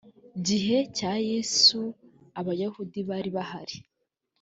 gihe cya yesu abayahudi bari bahari